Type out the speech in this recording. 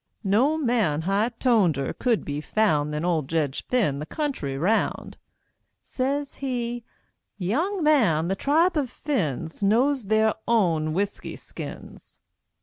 No man high toneder could be found Than old Jedge Phinn the country round. Says he, "Young man, the tribe of Phinns Knows their own whisky skins!"